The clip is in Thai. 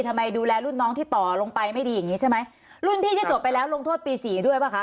ทำไมดูแลรุ่นน้องที่ต่อลงไปไม่ดีอย่างงี้ใช่ไหมรุ่นพี่ที่จบไปแล้วลงโทษปีสี่ด้วยป่ะคะ